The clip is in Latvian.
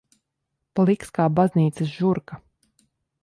Pliks kā baznīcas žurka.